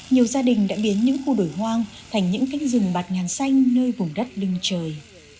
nhiều gia đình đã biến những khu đổi hoang thành những cánh rừng bạt ngàn xanh nơi vùng đất lưng trời